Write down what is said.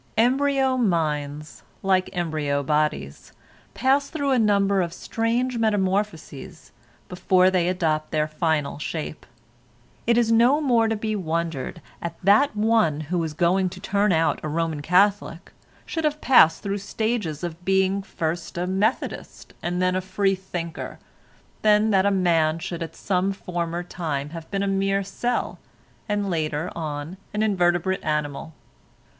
Embryo minds, like embryo bodies, pass through a number of strange metamorphoses before they adopt their final shape. It is no more to be wondered at that one who is going to turn out a Roman Catholic, should have passed through the stages of being first a Methodist, and then a free thinker, than that a man should at some former time have been a mere cell, and later on an invertebrate animal.